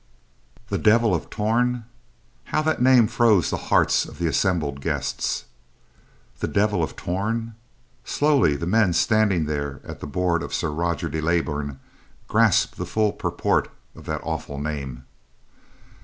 The Devil of Torn! How that name froze the hearts of the assembled guests. The Devil of Torn! Slowly the men standing there at the board of Sir Roger de Leybourn grasped the full purport of that awful name.